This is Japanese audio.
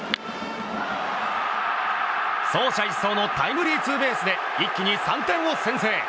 走者一掃のタイムリーツーベースで一気に３点を先制。